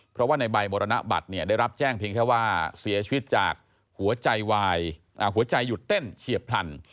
เพราะว่าในใบมรณบัตรได้รับแจ้งเพียงแค่ว่าเสียชีวิตจากหัวใจหยุดเต้นเฉียบพรรณ